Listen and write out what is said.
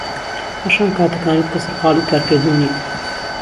پاشان کاتەکانت کە سەرقاڵی کارکردن نیت